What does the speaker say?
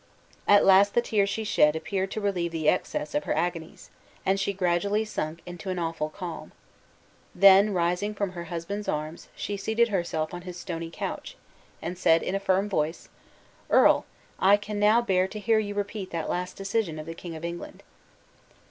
At last the tears she shed appeared to relieve the excess of her agonies, and she gradually sunk into an awful calm. Then rising from her husband's arms, she seated herself on his stony couch, and said in a firm voice, "Earl, I can now bear to hear you repeat the last decision of the King of England."